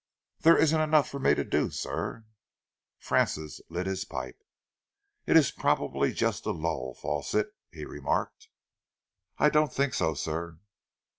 "There isn't enough for me to do, sir." Francis lit his pipe. "It's probably just a lull, Fawsitt," he remarked. "I don't think so, sir."